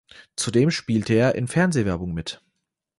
Zudem spielte er in Fernsehwerbung mit.